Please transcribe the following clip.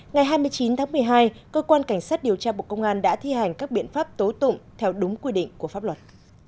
ngày hai mươi chín tháng một mươi hai cơ quan cảnh sát điều tra bộ công an đã thi hành các biện pháp tố tụng theo đúng quy định của pháp luật